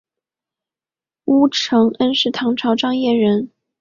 乌承恩是唐朝张掖人。